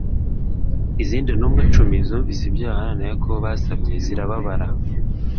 Izindi ntumwa cumi zumvise ibyo Yohana na Yakobo basabye zirababara.